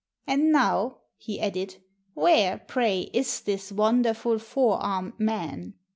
And now," he added, "where, pray, is this wonderful four armed man?"